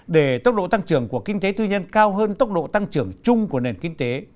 để tốc độ tăng trưởng của kinh tế tư nhân cao hơn tốc độ tăng trưởng chung của nền kinh tế